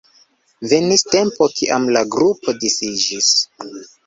Venis tempo kiam la grupo disiĝis.